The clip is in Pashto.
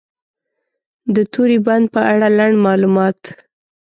د توری بند په اړه لنډ معلومات: